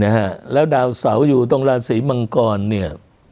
นะฮะแล้วดาวเสาอยู่ตรงราศีมังกรเนี่ย